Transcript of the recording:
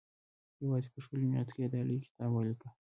یوازې په شلو میاشتو کې یې دا لوی کتاب ولیکه.